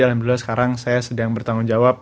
alhamdulillah sekarang saya sedang bertanggung jawab